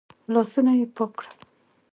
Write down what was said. لاسونه يې پاک کړل.